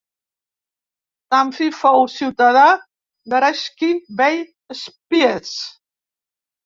Stampfli fou ciutadà d'Aeschi bei Spiez.